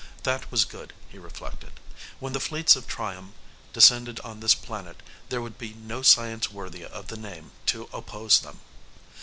That was good, he reflected. When the fleets of Triom descended on this planet, there would be no science worthy of the name to oppose them.